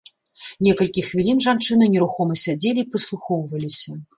Некалькі хвілін жанчыны нерухома сядзелі і прыслухоўваліся.